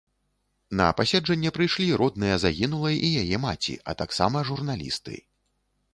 На паседжанне прыйшлі родныя загінулай і яе маці, а таксама журналісты.